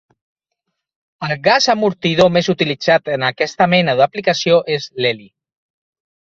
El gas amortidor més utilitzat en aquesta mena d'aplicació és l'heli.